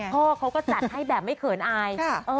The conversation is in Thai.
พ่อเขาก็จัดให้แบบไม่เขินอาย